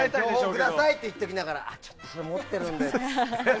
くださいと言っておきながらそれちょっと持っているんでって。